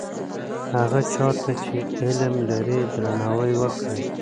هغه چا ته چې علم لري درناوی وکړئ.